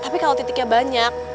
tapi kalau titiknya banyak